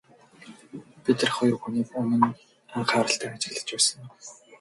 Би тэр хоёр хүнийг өмнө нь анхааралтай ажиглаж байсан уу?